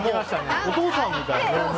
お父さんみたいなね。